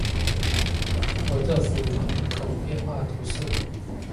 波热夫人口变化图示